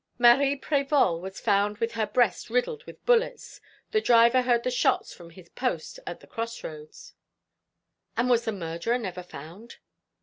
Marie Prévol was found with her breast riddled with bullets. The driver heard the shots from his post at the cross roads." "And was the murderer never found?"